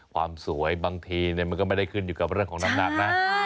ความสวยบางทีมันก็ไม่ได้ขึ้นอยู่กับเรื่องของน้ำหนักนะ